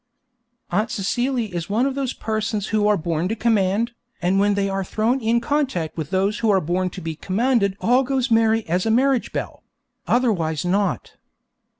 Aunt Celia is one of those persons who are born to command, and when they are thrown in contact with those who are born to be commanded all goes as merry as a marriage bell; otherwise not.